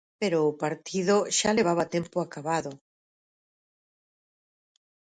Pero o partido xa levaba tempo acabado.